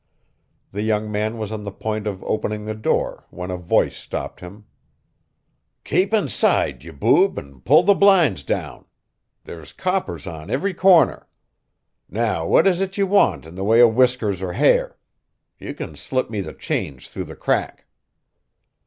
The young man was on the point of opening the door when a voice stopped him. "Kape inside, ye boob, an' pull the blinds down. There's coppers on every corner. Now, what is it ye want in the way o' whiskers or hair? Ye can slip me the change through the crack."